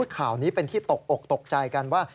ข่าวนี้เป็นที่ตกอกตกใจกันว่า